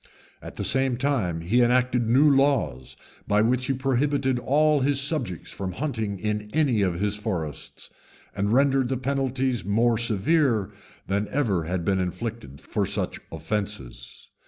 [*] At the same time, he enacted new laws, by which he prohibited all his subjects from hunting in any of his forests, and rendered the penalties more severe than ever had been inflicted for such offences.